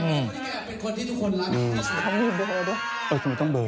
อือคุณเองเป็นคนที่ทุกคนรักอือ